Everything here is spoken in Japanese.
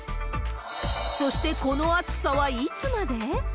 そして、この暑さはいつまで？